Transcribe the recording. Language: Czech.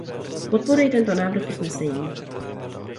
Podporuji tento návrh usnesení.